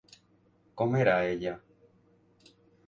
Com era ella?